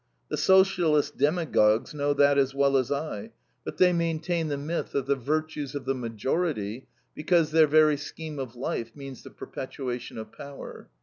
The Socialist demagogues know that as well as I, but they maintain the myth of the virtues of the majority, because their very scheme of life means the perpetuation of power.